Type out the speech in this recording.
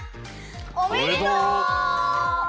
おめでとう！